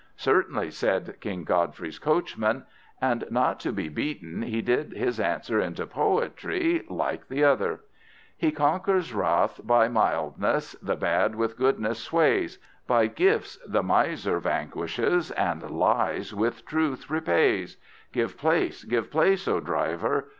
"Certainly," said King Godfrey's coachman; and, not to be beaten, he did his answer into poetry, like the other: "He conquers wrath by mildness, the bad with goodness sways, By gifts the miser vanquishes and lies with truth repays. Give place, give place, O driver!